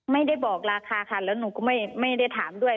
ไม่ได้บอกราคาค่ะแล้วหนูก็ไม่ได้ถามด้วย